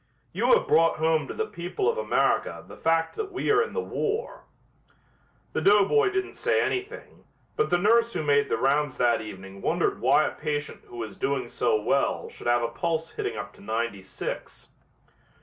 You have brought home to the people of America the fact that we are in the war." The doughboy didn't say anything, but the nurse who made the rounds that evening wondered why a patient who was doing so well should have a pulse hitting up to ninety six.